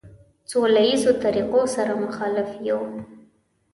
سوله ایزو طریقو سره مخالف یو.